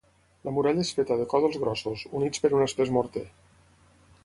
La muralla és feta de còdols grossos, units per un espès morter.